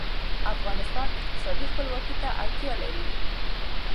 افغانستان اقتصادي خپلواکۍ ته اړتیا لري